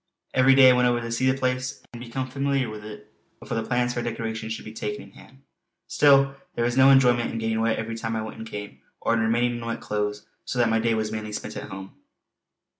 Every day I went over to see the place and become familiar with it before the plans for decoration should be taken in hand. Still there was no enjoyment in getting wet every time I went and came, or in remaining in wet clothes, so that my day was mainly spent at home.